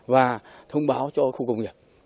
và thông báo cho khu công nghiệp